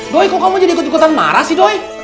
doi kok kamu jadi ketikutan marah sih doi